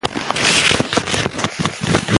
د ښوونځیو د زده کړو کیفیت باید پیاوړی سي.